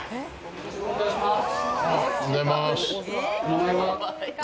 よろしくお願いします。